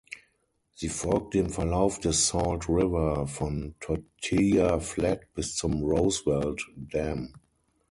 Sie folgt dem Verlauf des Salt River von Tortilla Flat bis zum Roosevelt Dam.